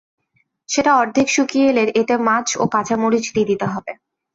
সেটা অর্ধেক শুকিয়ে এলে এতে মাছ ও কাঁচা মরিচ দিয়ে দিতে হবে।